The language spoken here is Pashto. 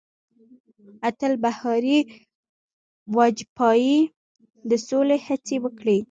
اتل بهاري واجپايي د سولې هڅې وکړې.